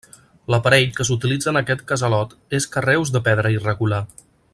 L'aparell que s'utilitza en aquest casalot és carreus de pedra irregular.